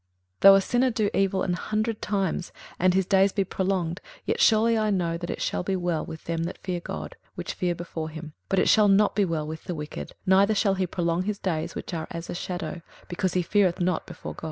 21:008:012 Though a sinner do evil an hundred times, and his days be prolonged, yet surely I know that it shall be well with them that fear God, which fear before him: 21:008:013 But it shall not be well with the wicked, neither shall he prolong his days, which are as a shadow; because he feareth not before God.